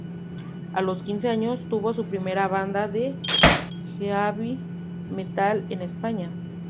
A los quince años tuvo su primera banda de "heavy metal" en España.